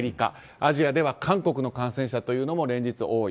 アジアでは韓国の感染者も連日多い。